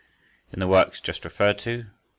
In the works just referred to (pp.